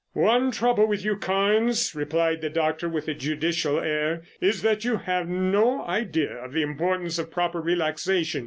"One trouble with you, Carnes," replied the doctor with a judicial air, "is that you have no idea of the importance of proper relaxation.